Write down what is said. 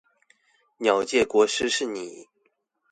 鳥界國師是你